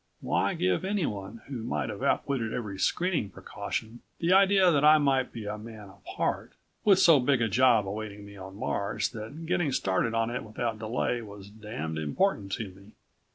Why give anyone who might have outwitted every screening precaution the idea that I might be a man apart, with so big a job awaiting me on Mars that getting started on it without delay was damned important to me.